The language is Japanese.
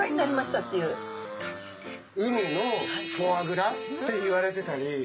海のフォアグラっていわれてたり。